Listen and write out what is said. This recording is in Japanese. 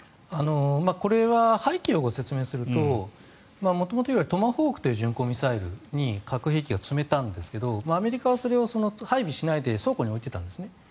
これは背景をご説明すると元々、トマホークという巡航ミサイルに核兵器が積めたんですけどアメリカはそれを配備しないで倉庫に置いていたんですね。